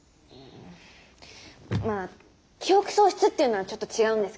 まあ記憶喪失っていうのはちょっと違うんです